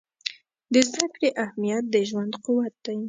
د زده کړې اهمیت د ژوند قوت دی.